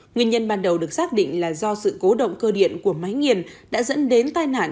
nguyên nhân ban đầu được xác định là do sự cố động cơ điện của máy nghiền đã dẫn đến tai nạn